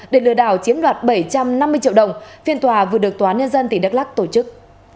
để lừa đảo chiếm đoạt bảy trăm năm mươi triệu đồng phiên tòa vừa được tòa án nhân dân tỉnh đắk lắc tổ chức